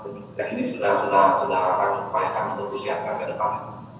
nah ini sudah kami siapkan ke depan